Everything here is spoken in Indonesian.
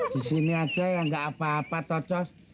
disini aja ya gak apa apa tocos